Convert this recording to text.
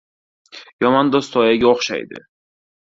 Yomon do‘st soyaga o‘xshaydi.